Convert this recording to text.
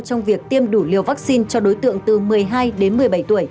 trong việc tiêm đủ liều vaccine cho đối tượng từ một mươi hai đến một mươi bảy tuổi